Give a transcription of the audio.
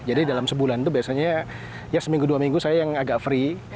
jadi dalam sebulan itu biasanya ya seminggu dua minggu saya yang agak free